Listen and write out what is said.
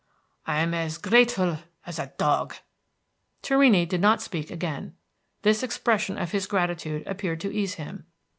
"I am as grateful as a dog." Torrini did not speak again. This expression of his gratitude appeared to ease him.